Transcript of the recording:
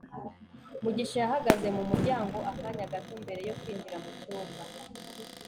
mugisha yahagaze mu muryango akanya gato mbere yo kwinjira mu cyumba